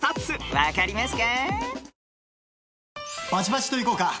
分かりますか？］